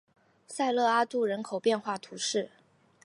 萨勒阿杜人口变化图示